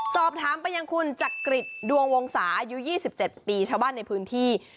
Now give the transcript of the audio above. สอบถามไปยังคุณจักริจดวงวงศาอายุ๒๗ปีชาวบ้านในพื้นที่